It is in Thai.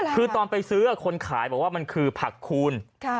คือตอนไปซื้อคนขายบอกว่ามันคือผักคูณ